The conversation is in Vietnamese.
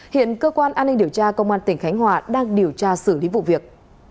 hiện cơ quan an ninh điều tra công an tỉnh khánh hòa đang điều tra xử lý vụ việc